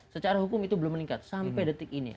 secara hukum itu belum meningkat sampai detik ini